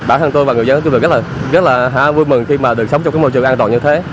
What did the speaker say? bản thân tôi và người dân chúng tôi rất là vui mừng khi mà được sống trong cái môi trường an toàn như thế